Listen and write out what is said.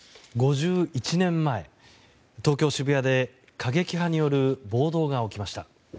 ５１年前、東京・渋谷で過激派による暴動が起きました。